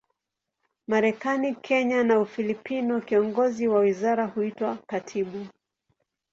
Marekani, Kenya na Ufilipino, kiongozi wa wizara huitwa katibu.